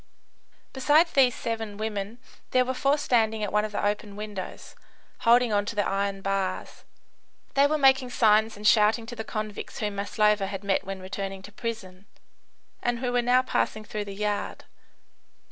Besides these seven women, there were four standing at one of the open windows, holding on to the iron bars. They were making signs and shouting to the convicts whom Maslova had met when returning to prison, and who were now passing through the yard.